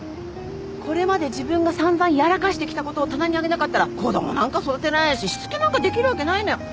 これまで自分が散々やらかしてきたことを棚に上げなかったら子供なんか育てられないししつけなんかできるわけないのよ。